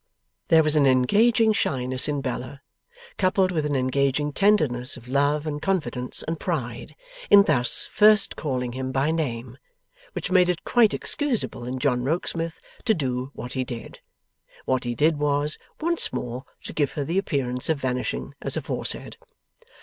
There was an engaging shyness in Bella, coupled with an engaging tenderness of love and confidence and pride, in thus first calling him by name, which made it quite excusable in John Rokesmith to do what he did. What he did was, once more to give her the appearance of vanishing as aforesaid.